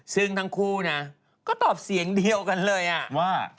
ซึ่งทั้งคู่นะก็ตอบเสียงเดียวกันเลยว่า